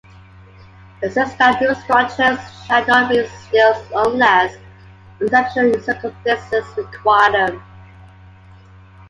It says that new structures shall not be stiles unless exceptional circumstances require them.